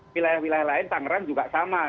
wilayah wilayah lain tangerang juga sama